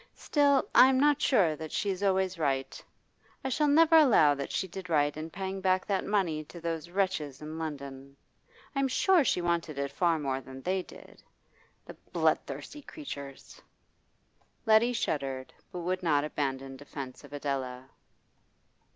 Still, I am not sure that she is always right. I shall never allow that she did right in paying back that money to those wretches in London. I am sure she wanted it far more than they did. The bloodthirsty creatures!' Letty shuddered, but would not abandon defence of Adela.